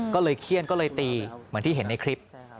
ก็เลยเขี้ยนก็เลยตีเหมือนที่เห็นในคลิป